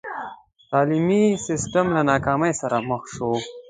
تعلیمي سسټم له ناکامۍ مخ شو.